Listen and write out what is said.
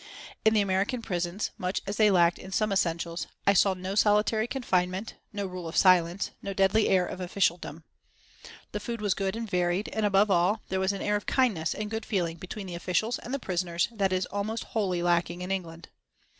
In the American prisons, much as they lacked in some essentials, I saw no solitary confinement, no rule of silence, no deadly air of officialdom. The food was good and varied, and above all there was an air of kindness and good feeling between the officials and the prisoners that is almost wholly lacking in England.